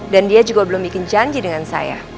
dia juga belum bikin janji dengan saya